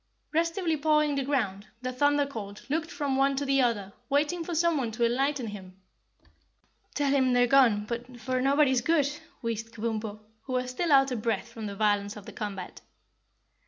Restively pawing the ground, the Thunder Colt looked from one to the other waiting for someone to enlighten him. "Tell him they've gone, but for nobody's good," wheezed Kabumpo, who was still out of breath from the violence of the combat.